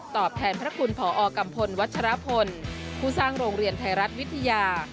แทนพระคุณพอกัมพลวัชรพลผู้สร้างโรงเรียนไทยรัฐวิทยา